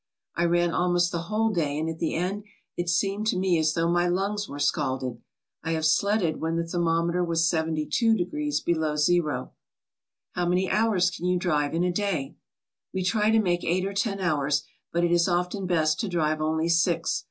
I ran almost the whole day and at the end it seemed to me as though my lungs were scalded. I have sledded when the thermometer was 72 degrees below zero/* "How many hours can you drive in a day?" "We try to make eight or ten hours, but it is often best to drive only six.